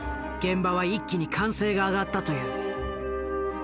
現場は一気に歓声が上がったという。